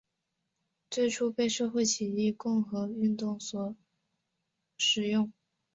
最初被社会主义共和运动所使用。